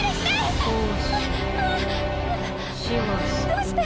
どうして？